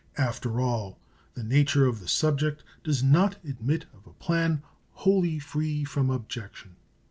After all, the nature of the subject does not admit of a plan wholly free from objection.